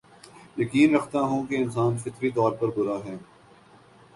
یقین رکھتا ہوں کے انسان فطری طور پر برا ہے